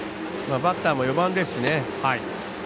バッターも４番ですしね。